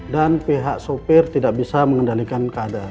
dan pihak sopir tidak bisa mengendalikan keadaan